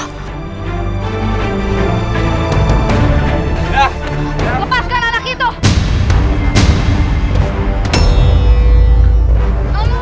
lepaskan anak itu